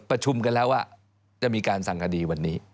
ประชุมกันแล้วว่าจะมีการสั่งคดีวันนี้